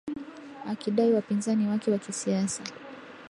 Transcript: akidai wapinzani wake wa kisiasa